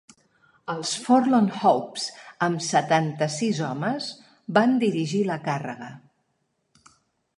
Els Forlorn-hopes, amb setanta-sis homes, van dirigir la càrrega.